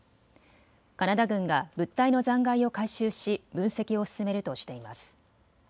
カナダ軍が物体の残骸を回収し分析を進めるとしています。